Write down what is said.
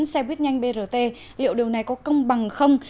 xe buýt nhanh brt liệu điều này có công bằng không